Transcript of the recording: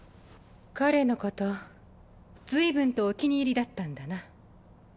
彼のこと随分とお気に入りだったんだな。